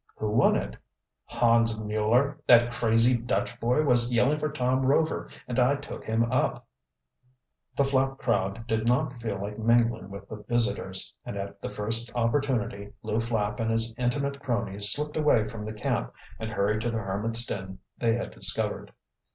"Who won it?" "Hans Mueller. That crazy Dutch boy was yelling for Tom Rover and I took him up." The Flapp crowd did not feel like mingling with the visitors, and at the first opportunity Lew Flapp and his intimate cronies slipped away from the camp and hurried to the hermit's den they had discovered.